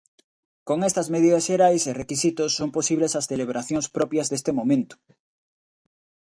Con estas medidas xerais e requisitos son posibles as celebracións propias deste momento.